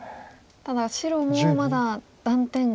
ただ白もまだ断点が。